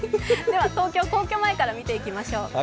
では、東京・皇居前から見ていきましょう。